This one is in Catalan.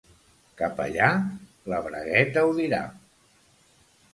Capellà? La bragueta ho dirà.